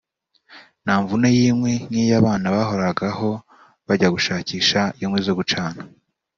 nta mvune y’inkwi nk’iyo abana bahoragaho bajya gushakisha inkwi zo gucana